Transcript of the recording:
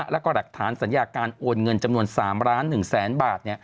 แล้วก็หลักฐานสัญญาการโอนเงินจำนวน๓ล้าน๑แสนบาท